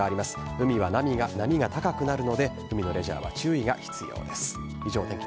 海は波が高くなるので海のレジャーは注意が必要です。